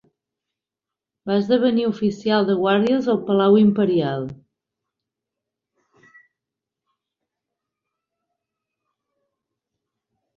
Va esdevenir oficial de guàrdies al palau imperial.